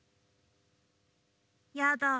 やだ。